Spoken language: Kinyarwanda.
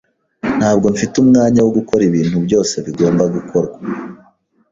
Ntabwo mfite umwanya wo gukora ibintu byose bigomba gukorwa.